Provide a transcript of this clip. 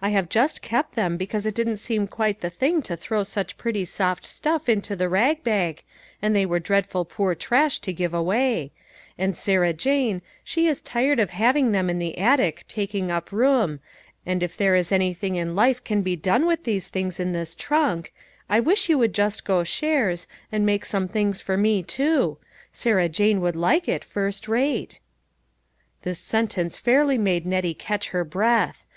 I have just kept them be cause it didn't seem quite the thing to throw 166 LITTLE FISHERS: AND THEIK NETS. , such pretty soft stuff into the rag bag, and they were dreadful poor trash to give away ; and Sarah Jane, she is tired of having them in the attic taking up room, and if there is anything in life can be done with these things in this trunk, I wish you would just go shares, and make some things for me too. Sarah Jane would like it, first rate." This sentence fairly made Nettie catch her breath.